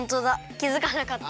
きづかなかった。